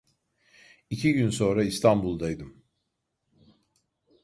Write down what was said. İki gün sonra İstanbul'daydım.